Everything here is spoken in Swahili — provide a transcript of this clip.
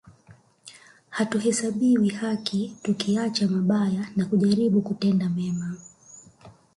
Hatuhesabiwi haki tukiacha mabaya na kujaribu kutenda mema